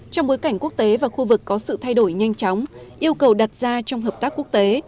trong bối cảnh quốc tế và khu vực có sự thay đổi nhanh chóng yêu cầu đặt ra trong hợp tác quốc tế